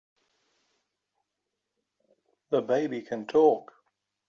The baby can TALK!